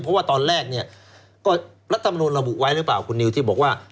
เพราะว่าตอนแรกเนี่ยก็รัฐมนุนระบุไว้หรือเปล่าคุณนิวที่บอกว่า